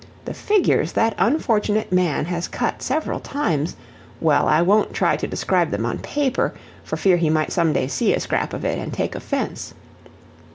The figures that unfortunate man has cut several times well, I won't try to describe them on paper, for fear he might some day see a scrap of it, and take offense.